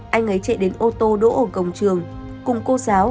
anh ấy chạy đến ô tô đỗ ở cổng trường cùng cô giáo